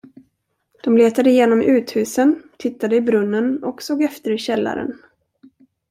De letade igenom uthusen, tittade i brunnen och såg efter i källaren.